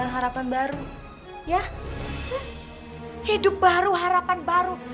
hidup baru harapan baru